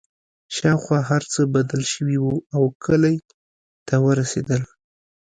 شاوخوا هرڅه بدل شوي وو او کلي ته ورسېدل